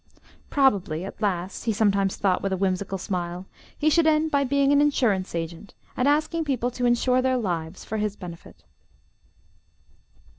Probably, at last, he sometimes thought with a whimsical smile, he should end by being an insurance agent, and asking people to insure their lives for his benefit.